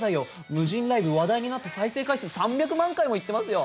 無人ライブ話題になって再生回数３００万回もいってますよ。